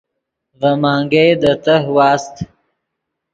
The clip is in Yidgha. ڤے منگئے دے تہہ واست